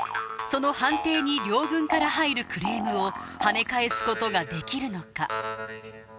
その判定に両軍から入るクレームをはね返すことができるのか？